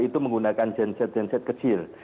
itu menggunakan genset genset kecil